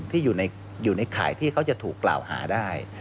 ที่อยู่ในข่ายที่เขาจะถูกกล่าวหาได้